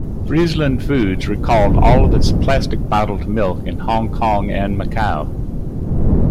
Friesland Foods recalled all of its plastic-bottled milk in Hong Kong and Macau.